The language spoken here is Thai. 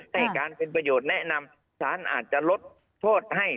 ให้การเป็นประโยชน์แนะนำสารอาจจะลดโทษให้